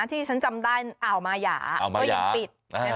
ที่ฉันจำได้อ่าวมายาก็ยังปิด